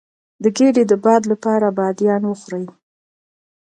د ګیډې د باد لپاره بادیان وخورئ